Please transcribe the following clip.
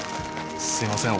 すいません。